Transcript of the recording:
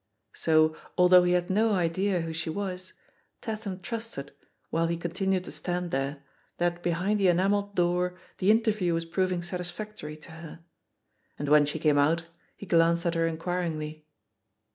So, although he had no idea who she was, Tatham trusted, while he continued to stand there, that behind the enamelled door the inter view was proving satisfactory to her. And when she came out, he glanced at her inquiringly.